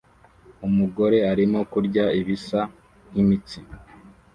Umugore arimo kurya ibisa nkimitsi